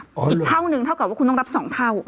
อีกเท่านึงเท่ากับว่าคุณต้องรับ๒เท่า